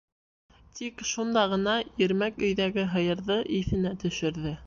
Тик шунда ғына Ирмәк өйҙәге һыйырҙы иҫенә төшөрҙө.